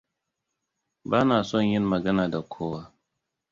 Ba na son yin magana da kowa.